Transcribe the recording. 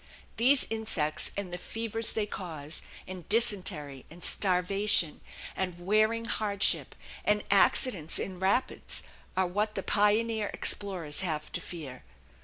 These insects, and the fevers they cause, and dysentery and starvation and wearing hardship and accidents in rapids are what the pioneer explorers have to fear.